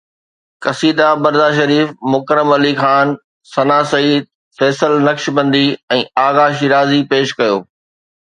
قصيده برده شريف مڪرم علي خان، ثنا سعيد، فيصل نقشبندي ۽ آغا شيرازي پيش ڪيو.